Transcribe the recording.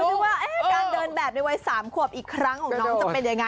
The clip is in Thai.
ดูดิกว่าการเดินแบบใน๓ขวบอีกครั้งของน้องจะเป็นยังง่าย